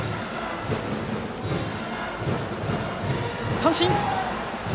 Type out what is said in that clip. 三振！